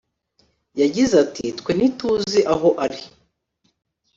yagize ati “Twe ntituzi aho ari